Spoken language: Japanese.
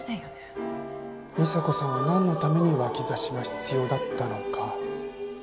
美沙子さんはなんのために脇差しが必要だったのか。